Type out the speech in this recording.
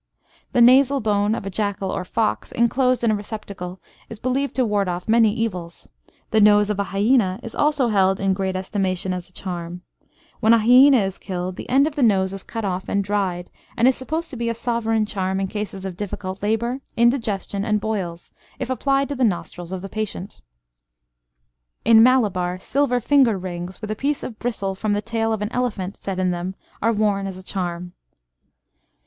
The nasal bone of a jackal or fox, enclosed in a receptacle, is believed to ward off many evils. The nose of a hyæna is also held in great estimation as a charm. When a hyæna is killed, the end of the nose is cut off and dried, and is supposed to be a sovereign charm in cases of difficult labour, indigestion, and boils, if applied to the nostrils of the patient. In Malabar, silver finger rings with a piece of bristle from the tail of an elephant set in them, are worn as a charm.